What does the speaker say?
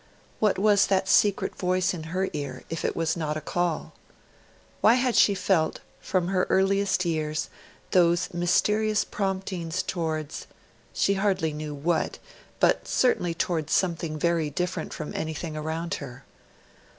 What was that secret voice in her ear, if it was not a call? Why had she felt, from her earliest years, those mysterious promptings towards ... she hardly knew what, but certainly towards something very different from anything around her?